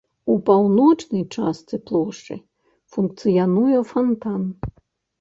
У паўночнай частцы плошчы функцыянуе фантан.